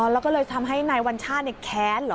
แล้วก็เลยทำให้นายวัญชาติแค้นเหรอ